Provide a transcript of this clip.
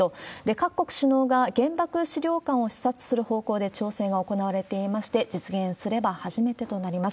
各国首脳が原爆資料館を視察する方向で調整が行われていまして、実現すれば初めてとなります。